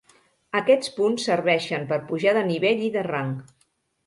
Aquests punts serveixen per pujar de nivell i de rang.